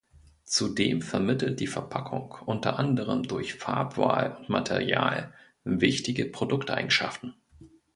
Zudem vermittelt die Verpackung, unter anderem durch Farbwahl und Material, wichtige Produkteigenschaften.